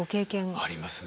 ありますね。